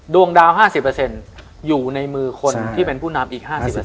ดวงดาว๕๐เปอร์เซ็นต์อยู่ในมือคนที่เป็นผู้นำอีก๕๐เปอร์เซ็นต์